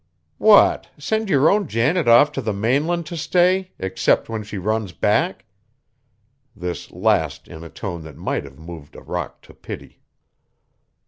"What, send your own Janet off to the mainland to stay except when she runs back?" This last in a tone that might have moved a rock to pity.